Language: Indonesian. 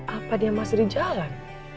apa dia masih di jalan